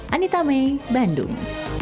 anita mei bandung